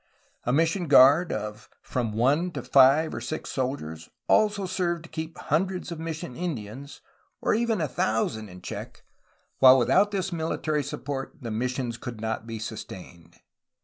A mission guard of from one to five or six soldiers also served to keep hundreds of mission Indians, or even a thousand, in check, while without this military support the 150 A HISTORY OF CALIFORNIA missions could not be sustained.